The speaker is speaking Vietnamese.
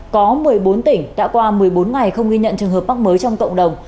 có một mươi bốn tỉnh đã qua một mươi bốn ngày không ghi nhận trường hợp mắc mới trong cộng đồng